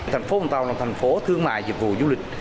thành phố vũng tàu là thành phố thương mại dịch vụ du lịch